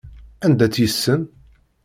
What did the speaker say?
Anda tt-yessen?